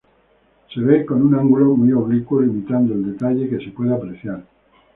Se ve con un ángulo muy oblicuo, limitando el detalle que se puede apreciar.